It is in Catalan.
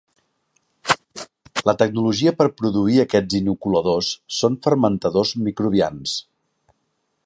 La tecnologia per produir aquests inoculadors són fermentadors microbians.